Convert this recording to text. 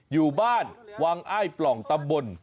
อยู่บ้านวังอ้ายปล่องตำบล